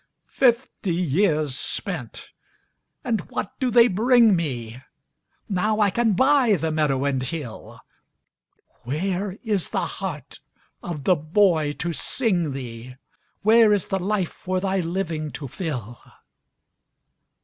Fifty years spent, and what do they bring me? Now I can buy the meadow and hill:Where is the heart of the boy to sing thee? Where is the life for thy living to fill?